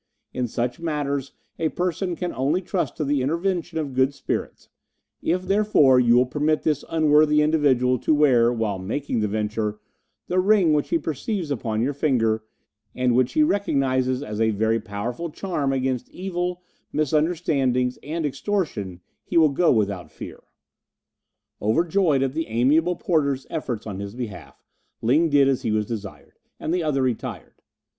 In such matters a person can only trust to the intervention of good spirits; if, therefore, you will permit this unworthy individual to wear, while making the venture, the ring which he perceives upon your finger, and which he recognizes as a very powerful charm against evil, misunderstandings, and extortion, he will go without fear." Overjoyed at the amiable porter's efforts on his behalf, Ling did as he was desired, and the other retired.